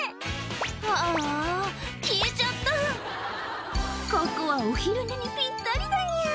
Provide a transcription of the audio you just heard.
ああ消えちゃった「ここはお昼寝にぴったりだニャ」